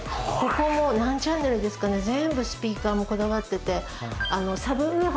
ここ何十年ですかね全部スピーカーもこだわってて。